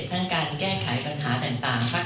ทั้งการแก้ไขปัญหาต่าง